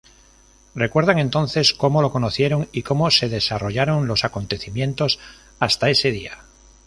Recuerdan entonces cómo lo conocieron y cómo se desarrollaron los acontecimientos hasta ese día.